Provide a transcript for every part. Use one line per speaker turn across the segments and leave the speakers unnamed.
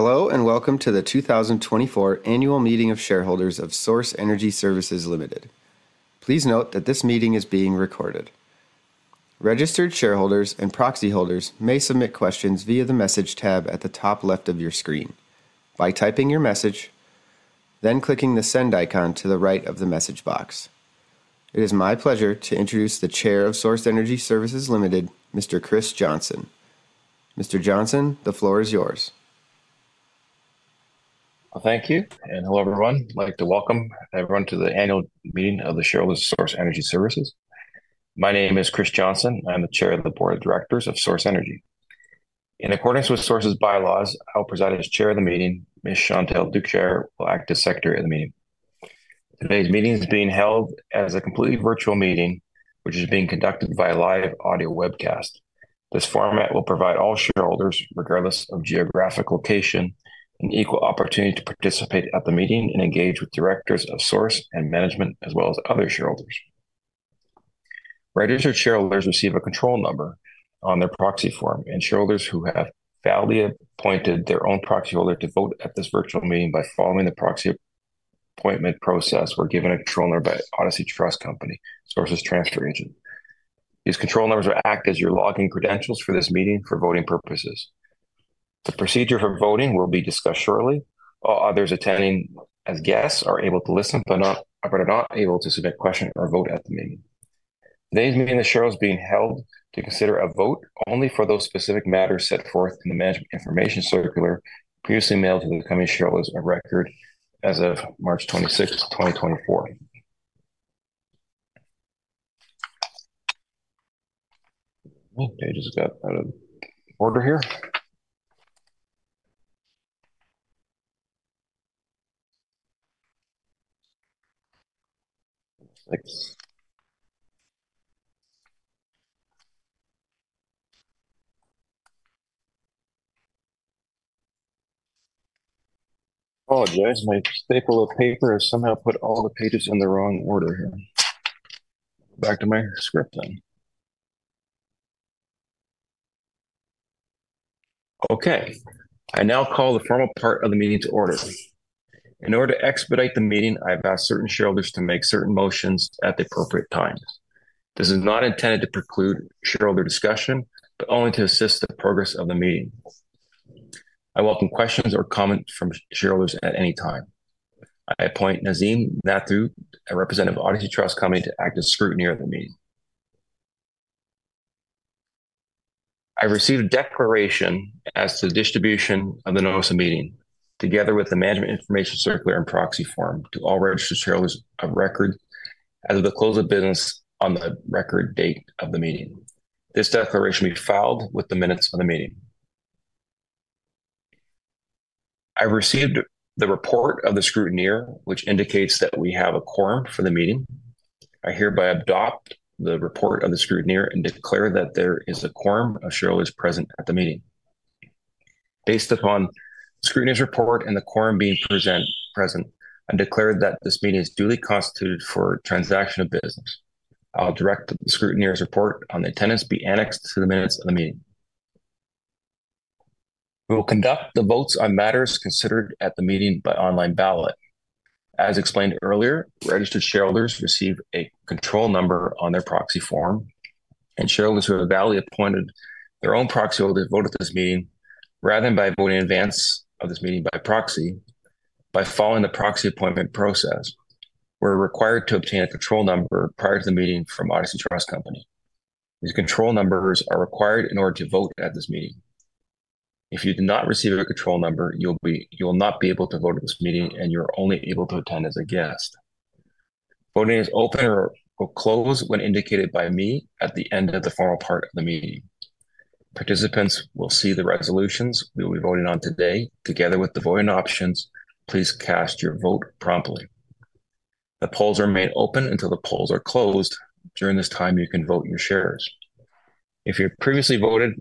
Hello, and welcome to the 2024 Annual Meeting of Shareholders of Source Energy Services Ltd. Please note that this meeting is being recorded. Registered shareholders and proxy holders may submit questions via the Message tab at the top left of your screen by typing your message, then clicking the Send icon to the right of the message box. It is my pleasure to introduce the chair of Source Energy Services Ltd., Mr. Chris Johnson. Mr. Johnson, the floor is yours.
Well, thank you, and hello, everyone. I'd like to welcome everyone to the annual meeting of the shareholders Source Energy Services. My name is Chris Johnson. I'm the chair of the Board of Directors of Source Energy. In accordance with Source's bylaws, I'll preside as chair of the meeting. Ms. Chantale Ducher will act as secretary of the meeting. Today's meeting is being held as a completely virtual meeting, which is being conducted by a live audio webcast. This format will provide all shareholders, regardless of geographic location, an equal opportunity to participate at the meeting and engage with directors of Source and management, as well as other shareholders. Registered shareholders receive a control number on their proxy form, and shareholders who have validly appointed their own proxy holder to vote at this virtual meeting by following the proxy appointment process were given a control number by Odyssey Trust Company, Source's transfer agent. These control numbers will act as your login credentials for this meeting for voting purposes. The procedure for voting will be discussed shortly. All others attending as guests are able to listen, but not—but are not able to submit question or vote at the meeting. Today's meeting of shareholders is being held to consider a vote only for those specific matters set forth in the Management Information Circular previously mailed to the incoming shareholders of record as of March 26, 2024. Oh, pages got out of order here. Thanks. I apologize, my staple of paper has somehow put all the pages in the wrong order here. Back to my script then. Okay, I now call the formal part of the meeting to order. In order to expedite the meeting, I've asked certain shareholders to make certain motions at the appropriate times. This is not intended to preclude shareholder discussion, but only to assist the progress of the meeting. I welcome questions or comments from shareholders at any time. I appoint Nazim Nathoo, a representative of Odyssey Trust Company, to act as scrutineer of the meeting. I received a declaration as to the distribution of the notice of meeting, together with the Management Information Circular and proxy form to all registered shareholders of record as of the close of business on the record date of the meeting. This declaration will be filed with the minutes of the meeting. I received the report of the scrutineer, which indicates that we have a quorum for the meeting. I hereby adopt the report of the scrutineer and declare that there is a quorum of shareholders present at the meeting. Based upon the scrutineer's report and the quorum being present, present, I declare that this meeting is duly constituted for transaction of business. I'll direct the scrutineer's report on attendance be annexed to the minutes of the meeting. We will conduct the votes on matters considered at the meeting by online ballot. As explained earlier, registered shareholders receive a control number on their proxy form, and shareholders who have validly appointed their own proxy holder to vote at this meeting, rather than by voting in advance of this meeting by proxy, by following the proxy appointment process, were required to obtain a control number prior to the meeting from Odyssey Trust Company. These control numbers are required in order to vote at this meeting. If you did not receive a control number, you'll be... you will not be able to vote at this meeting, and you're only able to attend as a guest. Voting is open or will close when indicated by me at the end of the formal part of the meeting. Participants will see the resolutions we'll be voting on today, together with the voting options. Please cast your vote promptly. The polls remain open until the polls are closed. During this time, you can vote your shares. If you've previously voted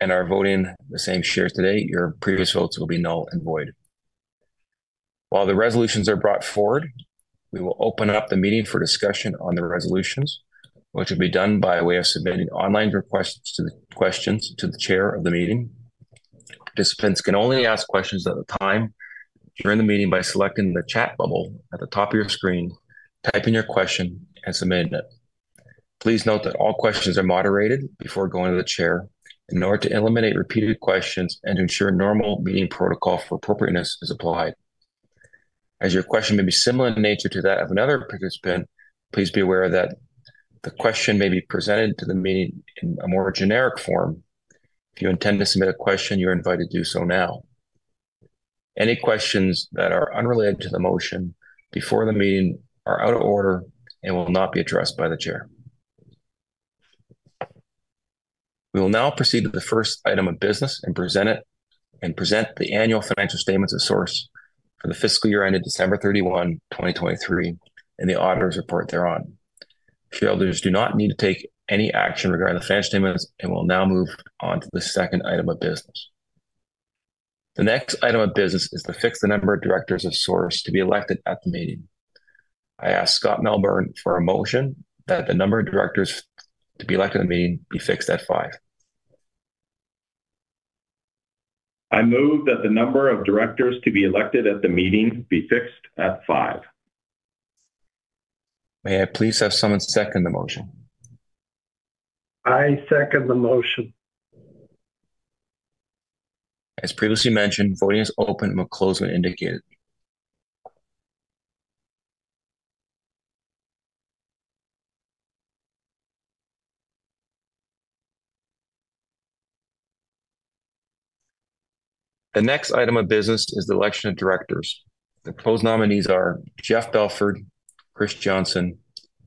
and are voting the same shares today, your previous votes will be null and void. While the resolutions are brought forward, we will open up the meeting for discussion on the resolutions, which will be done by way of submitting online questions to the chair of the meeting. Participants can only ask questions at the time during the meeting by selecting the chat bubble at the top of your screen, typing your question, and submitting it. Please note that all questions are moderated before going to the chair in order to eliminate repeated questions and ensure normal meeting protocol for appropriateness is applied. As your question may be similar in nature to that of another participant, please be aware that the question may be presented to the meeting in a more generic form. If you intend to submit a question, you're invited to do so now. Any questions that are unrelated to the motion before the meeting are out of order and will not be addressed by the chair. We will now proceed to the first item of business and present it, and present the annual financial statements of Source for the fiscal year ended December 31, 2023, and the auditor's report thereon. Shareholders do not need to take any action regarding the financial statements, and we'll now move on to the second item of business. The next item of business is to fix the number of directors of Source to be elected at the meeting. I ask Scott Melbourn for a motion that the number of directors to be elected at the meeting be fixed at five.
I move that the number of directors to be elected at the meeting be fixed at five.
May I please have someone second the motion?
I second the motion.
As previously mentioned, voting is open and will close when indicated. The next item of business is the election of directors. The proposed nominees are Jeff Belford, Chris Johnson,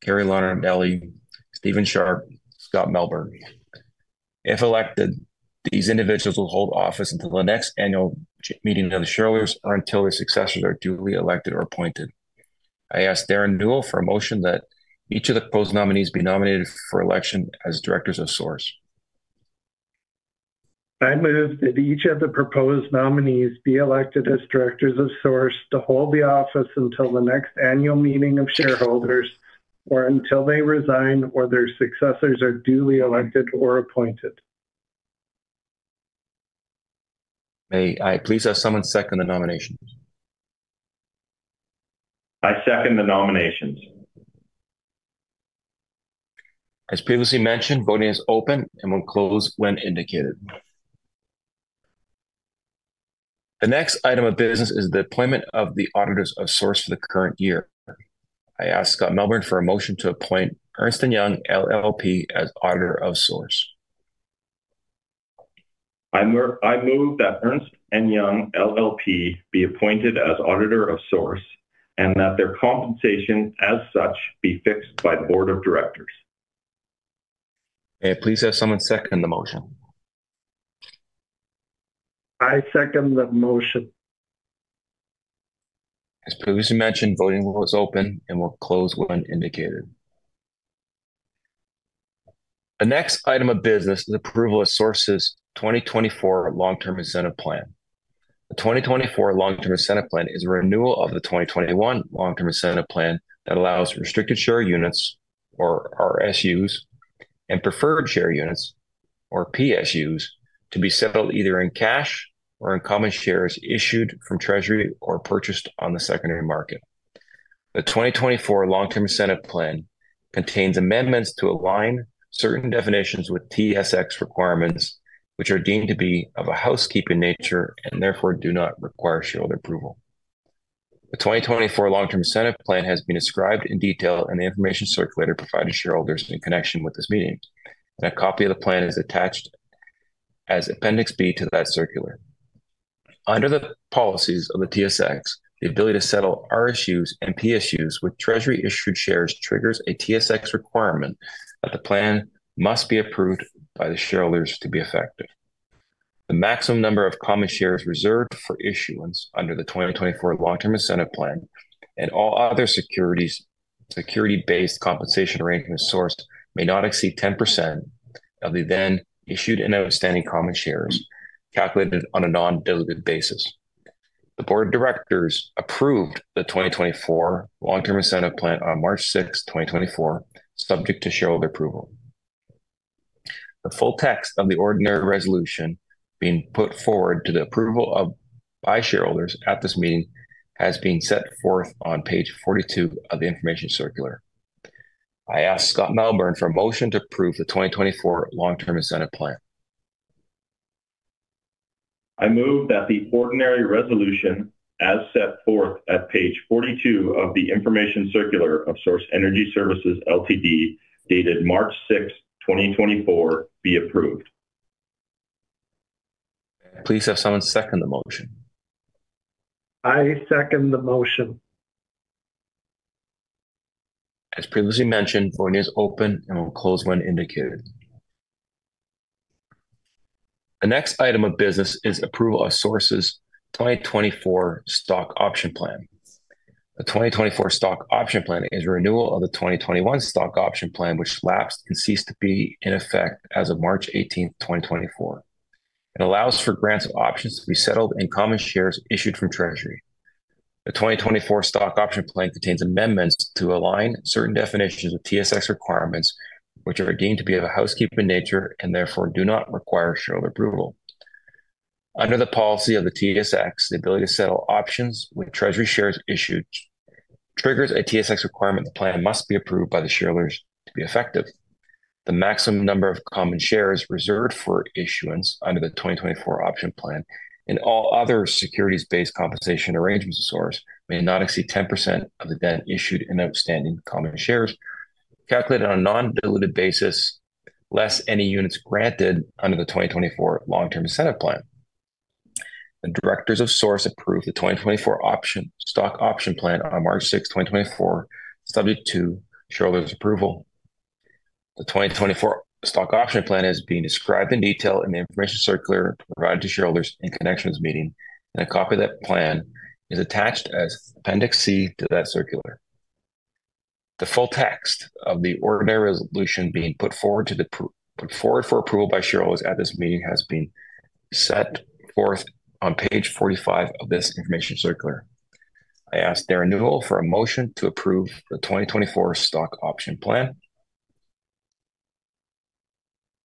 Carrie Lonardelli, Steven Sharpe, Scott Melbourn. If elected, these individuals will hold office until the next annual meeting of the shareholders or until their successors are duly elected or appointed. I ask Derren Newell for a motion that each of the proposed nominees be nominated for election as directors of Source.
I move that each of the proposed nominees be elected as directors of Source to hold the office until the next annual meeting of shareholders, or until they resign, or their successors are duly elected or appointed.
May I please have someone second the nominations?
I second the nominations.
As previously mentioned, voting is open and will close when indicated. The next item of business is the appointment of the auditors of Source for the current year. I ask Scott Melbourn for a motion to appoint Ernst & Young LLP as auditor of Source.
I move, I move that Ernst & Young LLP be appointed as auditor of Source, and that their compensation as such be fixed by the board of directors.
May I please have someone second the motion?
I second the motion.
As previously mentioned, voting was open and will close when indicated. The next item of business is approval of Source's 2024 Long-Term Incentive Plan. The 2024 Long-Term Incentive Plan is a renewal of the 2021 Long-Term Incentive Plan that allows restricted share units, or RSUs, and performance share units, or PSUs, to be settled either in cash or in common shares issued from Treasury or purchased on the secondary market. The 2024 Long-Term Incentive Plan contains amendments to align certain definitions with TSX requirements, which are deemed to be of a housekeeping nature and therefore do not require shareholder approval. The 2024 Long-Term Incentive Plan has been described in detail in the information circular provided to shareholders in connection with this meeting. A copy of the plan is attached as Appendix B to that circular. Under the policies of the TSX, the ability to settle RSUs and PSUs with Treasury-issued shares triggers a TSX requirement that the plan must be approved by the shareholders to be effective. The maximum number of common shares reserved for issuance under the 2024 Long-Term Incentive Plan and all other securities, security-based compensation arrangements Source may not exceed 10% of the then issued and outstanding common shares, calculated on a non-diluted basis. The board of directors approved the 2024 Long-Term Incentive Plan on March 6, 2024, subject to shareholder approval. The full text of the ordinary resolution being put forward to the approval of, by shareholders at this meeting has been set forth on page 42 of the information circular. I ask Scott Melbourn for a motion to approve the 2024 Long-Term Incentive Plan.
I move that the ordinary resolution, as set forth at page 42 of the information circular of Source Energy Services Ltd, dated March 6, 2024, be approved.
Please have someone second the motion.
I second the motion.
As previously mentioned, voting is open and will close when indicated. The next item of business is approval of Source's 2024 Stock Option Plan. The 2024 Stock Option Plan is a renewal of the 2021 Stock Option Plan, which lapsed and ceased to be in effect as of March 18, 2024. It allows for grants of options to be settled in common shares issued from Treasury. The 2024 Stock Option Plan contains amendments to align certain definitions of TSX requirements, which are deemed to be of a housekeeping nature and therefore do not require shareholder approval. Under the policy of the TSX, the ability to settle options with Treasury shares issued triggers a TSX requirement. The plan must be approved by the shareholders to be effective. The maximum number of common shares reserved for issuance under the 2024 option plan and all other securities-based compensation arrangements of Source may not exceed 10% of the then issued and outstanding common shares, calculated on a non-diluted basis, less any units granted under the 2024 long-term incentive plan. The directors of Source approved the 2024 Stock Option Plan on March 6, 2024, subject to shareholders' approval. The 2024 Stock Option Plan is being described in detail in the information circular provided to shareholders in connection with this meeting, and a copy of that plan is attached as Appendix C to that circular.... The full text of the ordinary resolution being put forward for approval by shareholders at this meeting has been set forth on page 45 of this information circular. I ask Derren Newell for a motion to approve the 2024 Stock Option Plan.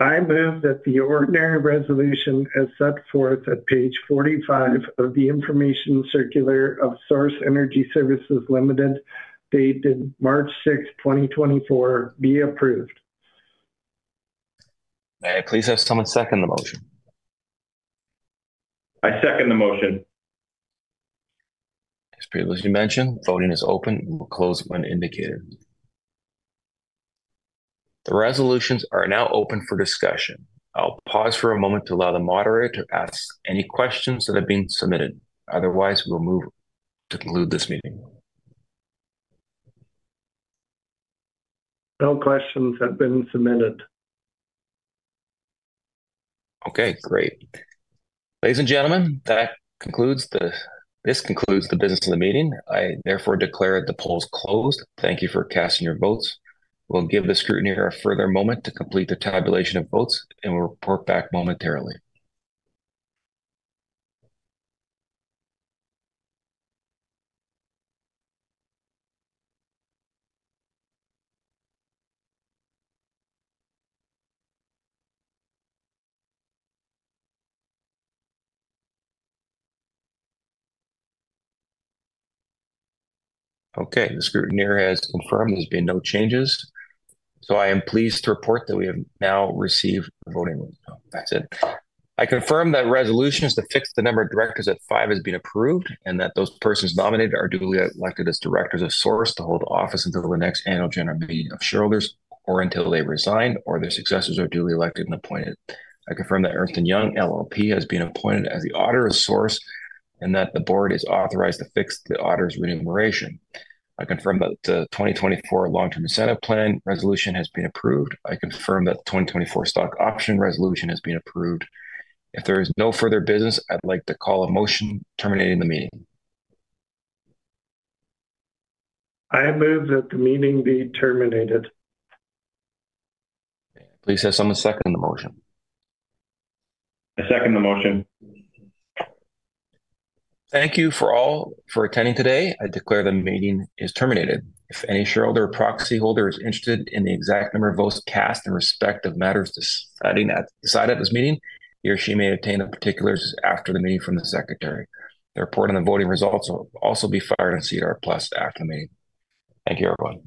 I move that the ordinary resolution, as set forth at page 45 of the information circular of Source Energy Services Ltd., dated March sixth, 2024, be approved.
May I please have someone second the motion? I second the motion. As previously mentioned, voting is open and will close when indicated. The resolutions are now open for discussion. I'll pause for a moment to allow the moderator to ask any questions that have been submitted. Otherwise, we'll move to conclude this meeting.
No questions have been submitted.
Okay, great. Ladies and gentlemen, this concludes the business of the meeting. I therefore declare the polls closed. Thank you for casting your votes. We'll give the scrutineer a further moment to complete the tabulation of votes, and we'll report back momentarily. Okay, the scrutineer has confirmed there's been no changes, so I am pleased to report that we have now received the voting results. Oh, that's it. I confirm that resolution is to fix the number of directors at five has been approved, and that those persons nominated are duly elected as directors of Source to hold office until the next annual general meeting of shareholders, or until they resign or their successors are duly elected and appointed. I confirm that Ernst & Young LLP has been appointed as the auditor of Source and that the board is authorized to fix the auditor's remuneration. I confirm that the 2024 Long-Term Incentive Plan resolution has been approved. I confirm that the 2024 Stock Option Plan resolution has been approved. If there is no further business, I'd like to call a motion terminating the meeting.
I move that the meeting be terminated.
Please have someone second the motion. I second the motion. Thank you all for attending today. I declare the meeting is terminated. If any shareholder or proxy holder is interested in the exact number of votes cast in respect of matters decided at this meeting, he or she may obtain the particulars after the meeting from the secretary. The report on the voting results will also be filed on SEDAR+ after the meeting. Thank you, everyone.